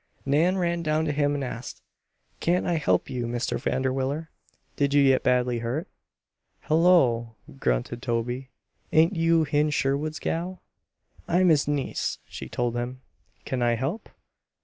Nan ran down to him and asked: "Can't I help you, Mr. Vanderwiller? Did you get badly hurt?" "Hullo!" grunted Toby. "Ain't you Hen Sherwood's gal?" "I'm his niece," she told him. "Can I help?"